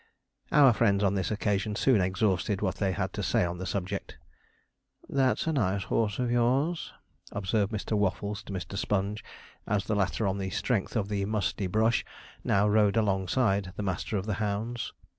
Our friends on this occasion soon exhausted what they had to say on the subject. 'That's a nice horse of yours,' observed Mr. Waffles to Mr. Sponge, as the latter, on the strength of the musty brush, now rode alongside the master of the hounds.